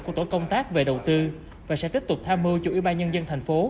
của tổ công tác về đầu tư và sẽ tiếp tục tham mưu chủ ủy ban nhân dân thành phố